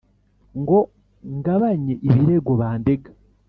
ngo ngabanye ibirego bandega.